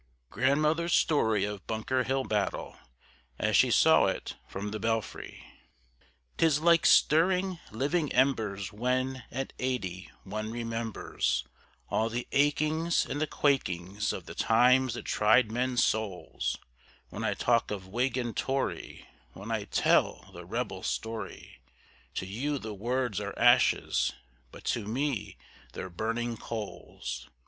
GRANDMOTHER'S STORY OF BUNKER HILL BATTLE AS SHE SAW IT FROM THE BELFRY 'Tis like stirring living embers when, at eighty, one remembers All the achings and the quakings of "the times that tried men's souls;" When I talk of Whig and Tory, when I tell the Rebel story, To you the words are ashes, but to me they're burning coals.